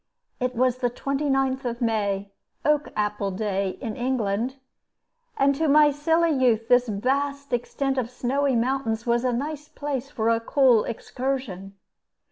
It was the 29th of May Oak apple Day in England and to my silly youth this vast extent of snowy mountains was a nice place for a cool excursion.